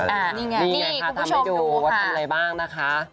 นี่ไงค่ะทำให้ดูอะไรบ้างนะคะ